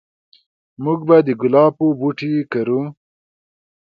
موږ به د ګلابو بوټي کرو